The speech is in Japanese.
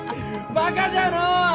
バカじゃのう！